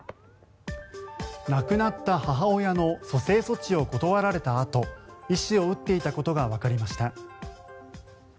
亡くなった母親の蘇生措置を断られたあと医師を撃っていたことがわかりました。